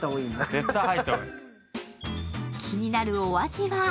気になるお味は？